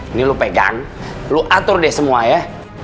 ini lo pegang lu atur deh semua ya